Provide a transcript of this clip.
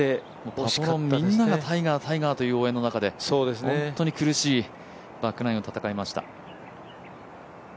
パトロンみんながタイガー、タイガーという応援の中で本当に苦しいバックナインを戦いました。